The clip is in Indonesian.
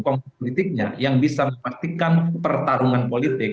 konteks politiknya yang bisa memastikan pertarungan politik